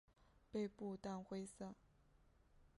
背部淡灰色。